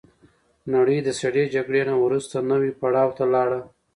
نړۍ د سړې جګړې نه وروسته نوي پړاو ته لاړه.